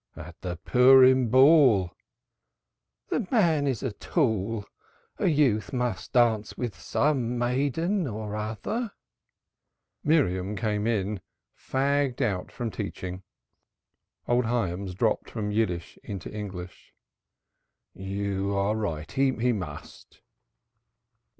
"At the Purim Ball." "The man is a tool; a youth must dance with some maiden or other." Miriam came in, fagged out from teaching. Old Hyams dropped from Yiddish into English. "You are right, he must."